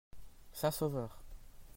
Saint-Sauveur.